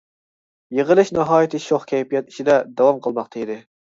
يىغىلىش ناھايىتى شوخ كەيپىيات ئىچىدە داۋام قىلماقتا ئىدى.